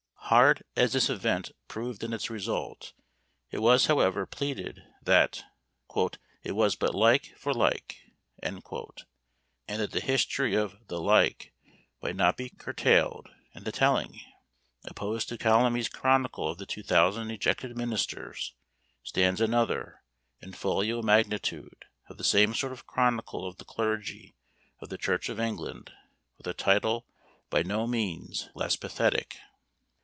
Hard as this event proved in its result, it was, however, pleaded, that "It was but like for like." And that the history of "the like" might not be curtailed in the telling, opposed to Calamy's chronicle of the two thousand ejected ministers stands another, in folio magnitude, of the same sort of chronicle of the clergy of the Church of England, with a title by no means less pathetic.